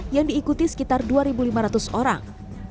yang diikuti sekitar dua lima ratus orang